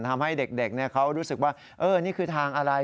ทำให้เด็กเขารู้สึกว่านี่คือทางอะไร